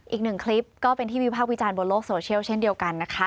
อีกหนึ่งคลิปก็เป็นที่วิพากษ์วิจารณ์บนโลกโซเชียลเช่นเดียวกันนะคะ